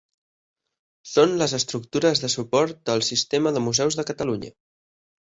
Són les estructures de suport del Sistema de Museus de Catalunya.